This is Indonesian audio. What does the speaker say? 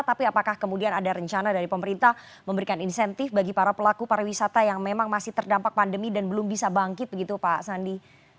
tapi apakah kemudian ada rencana dari pemerintah memberikan insentif bagi para pelaku pariwisata yang memang masih terdampak pandemi dan belum bisa bangkit begitu pak sandi